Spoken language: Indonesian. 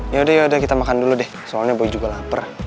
yaudah yaudah kita makan dulu deh soalnya baju juga lapar